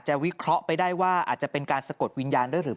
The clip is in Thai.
หลังจากพบศพผู้หญิงปริศนาตายตรงนี้ครับ